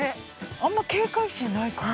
あんま警戒心ないか。